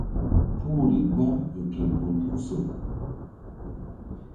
Puhri gbam ƴo ke bolkusol.